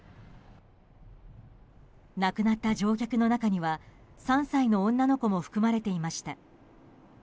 亡くなった乗客の中には３歳の女の子も含まれていました。